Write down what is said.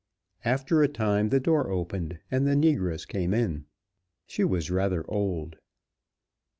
After a time the door opened and the negress came in. She was rather old.